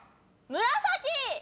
「紫」！